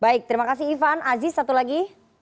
baik terima kasih ivan aziz satu lagi